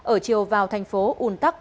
ở chiều vào thành phố ùn tắc